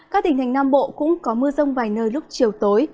các tỉnh thành nam bộ cũng có mưa rông vài nơi lúc chiều tối